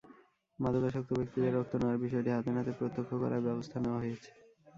মাদকাসক্ত ব্যক্তিদের রক্ত নেওয়ার বিষয়টি হাতেনাতে প্রত্যক্ষ করায় ব্যবস্থা নেওয়া হয়েছে।